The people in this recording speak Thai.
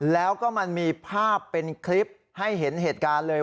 แล้วก็มันมีภาพเป็นคลิปให้เห็นเหตุการณ์เลย